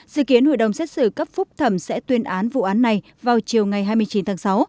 dự kiến hội đồng xét xử cấp phúc thẩm sẽ tuyên án vụ án này vào chiều ngày hai mươi chín tháng sáu